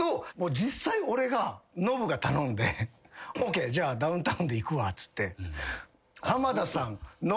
実際俺がノブが頼んでＯＫじゃあダウンタウンでいくわっつって。